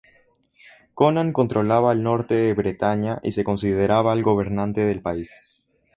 Conan controlaba el norte de Bretaña y se consideraba el gobernante del país.